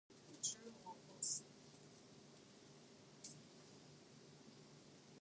Hot Dog", "Captain Muddy" hosting "Popeye" cartoons, "Adventure Patrol" and the "Jumping Cowboy".